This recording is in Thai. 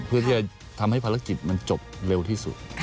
เพื่อที่จะทำให้ภารกิจมันจบเร็วที่สุด